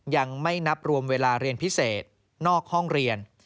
ยังไม่นับรวมเวลาเรียนพิเศษนอกห้องเรียน